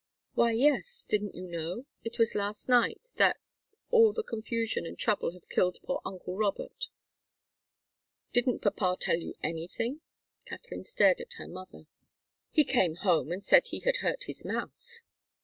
"Why, yes. Didn't you know? It was last night that all the confusion and trouble have killed poor uncle Robert. Didn't papa tell you anything?" Katharine stared at her mother. "He came home and said he had hurt his mouth.